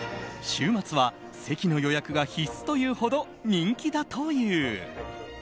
週末は席の予約が必須というほど人気だという。